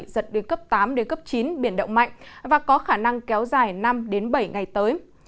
giật đến cấp tám đến cấp chín biển động mạnh và có khả năng kéo dài năm đến bảy ngày tới